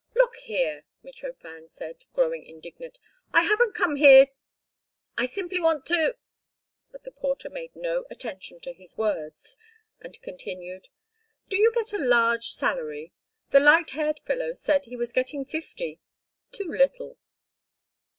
"Look here," Mitrofan said, growing indignant, "I haven't come here—I simply want to—" But the porter paid no attention to his words, and continued: "Do you get a large salary? The light haired fellow said he was getting fifty. Too little."